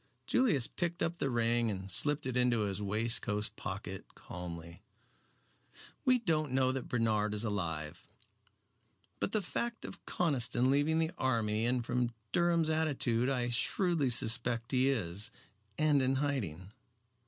Julius picked up the ring and slipped it into his waistcoat pocket calmly. "We don't know that Bernard is alive. But the fact of Conniston leaving the army and from Durham's attitude I shrewdly suspect he is, and in hiding.